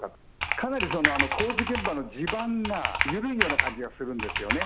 かなり、工事現場の地盤が緩いような気がするんですよね。